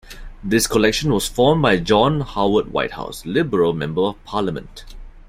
This collection was formed by John Howard Whitehouse, Liberal Member of Parliament.